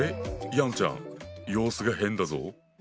ヤンちゃん様子が変だぞ？